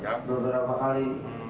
ya beberapa kali